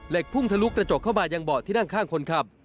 พุ่งทะลุกระจกเข้ามายังเบาะที่นั่งข้างคนขับ